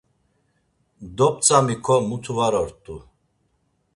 Dop̌tzamiǩo mutu var ort̆u.